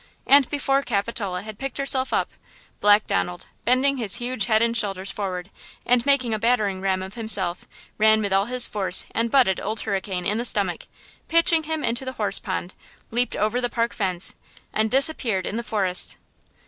And before Capitola had picked herself up, Black Donald, bending his huge head and shoulders forward and making a battering ram of himself, ran with all his force and butted Old Hurricane in the stomach, pitching him into the horse pond, leaped over the park fence and disappeared in the forest.